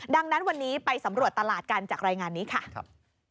ดังนั้นวันนี้ไปสำรวจตลาดกันจากรายงานนี้ค่ะ